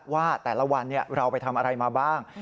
ว่าแต่ละวันเราไปทำอะไรมาบ้าง